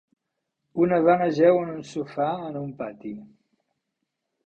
Una dona jeu en un sofà en un pati.